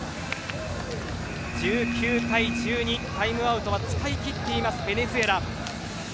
１９対１２タイムアウトは使い切っていますベネズエラ。